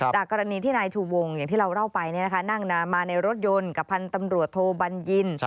กรณีที่นายชูวงอย่างที่เราเล่าไปนั่งนามาในรถยนต์กับพันธุ์ตำรวจโทบัญญิน